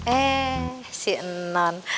eh si non